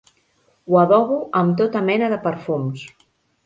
Ho adobo amb tota mena de perfums.